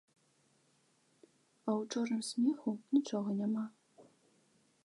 А ў чорным смеху нічога няма.